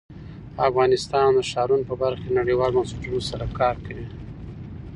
افغانستان د ښارونه په برخه کې نړیوالو بنسټونو سره کار کوي.